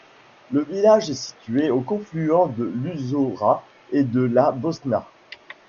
Le village est situé au confluent de l'Usora et de la Bosna.